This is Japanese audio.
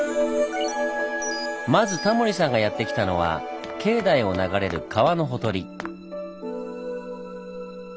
まずタモリさんがやって来たのは境内を流れる川のほとり。